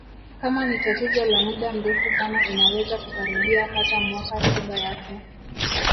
kama ni tatizo la muda mrefu sana inaweza kukaribia hata mwaka tiba yake